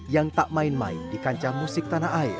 yang tak main main dikancah musik tanah air